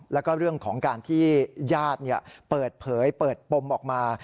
แล้วก็เรื่องของการที่ญาติเปิดเผยเปิดปมออกมา